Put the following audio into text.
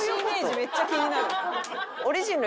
めっちゃ気になる。